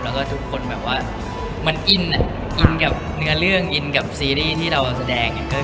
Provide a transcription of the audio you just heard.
แล้วก็ทุกคนแบบว่ามันอินอินกับเนื้อเรื่องอินกับซีรีส์ที่เราแสดงอยู่